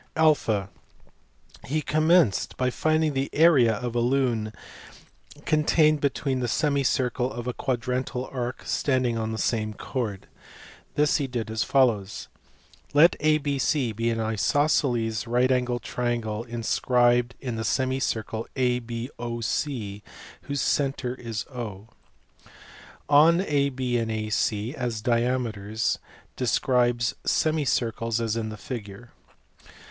(a) He commenced by finding the area of a lune contained between a semicircle and a quadrantal arc standing on the AREA OF A LUNE. same chord. This he did as follows. Let ABC be an isosceles right angled triangle inscribed in the semicircle ABOC whose B O C centre is 0. On AB and AC as diameters describe semicircles as in the figure.